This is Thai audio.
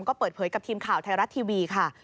ก็เปิดเผยกับทีมข่าวไทยรัฐทีวีค่ะ